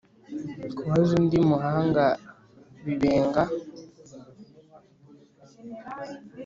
Kubaza undi muhanga Bibenga